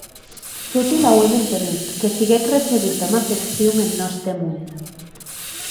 Toti l'auem entenut, que siguec recebut damb afeccion en nòste mon.